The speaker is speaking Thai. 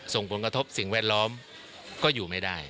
ส่งผลกระทบสิ่งแวดล้อมก็อยู่ไม่ได้